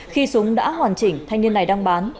khi súng đã hoàn chỉnh thanh niên này đang bán